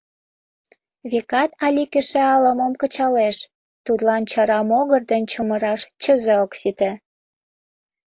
Векат, Алик эше ала-мом кычалеш, тудлан чара могыр ден чумыраш чызе ок сите.